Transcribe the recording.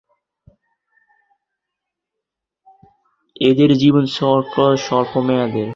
এদের জীবনচক্র স্বল্প মেয়াদের।